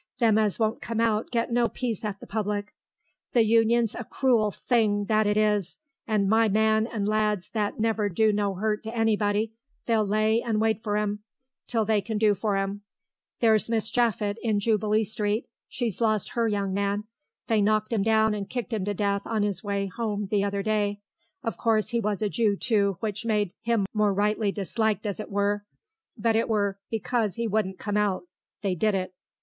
Them as won't come out get no peace at the public.... The Union's a cruel thing, that it is, and my man and lads that never do no 'urt to nobody, they'll lay and wait for 'em till they can do for 'em.... There's Mrs. Japhet, in Jubilee Street; she's lost her young man; they knocked 'im down and kicked 'im to death on 'is way 'ome the other day. Of course 'e was a Jew, too, which made 'im more rightly disliked as it were; but it were because 'e wouldn't come out they did it.